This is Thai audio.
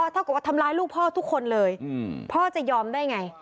ถ้าเกิดว่าทำร้ายลูกพ่อทุกคนเลยพ่อจะยอมได้ไง